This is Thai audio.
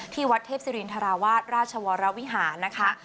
ที่วัดเทพศิรินทราวาสราชวรวิหารนะคะ